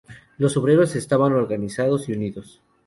Los obreros estaban organizados y unidos.